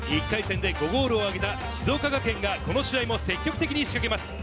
１回戦で５ゴールを挙げた静岡学園がこの試合も積極的に仕掛けます。